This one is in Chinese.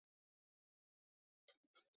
已开垦的土地大部分在邦果区。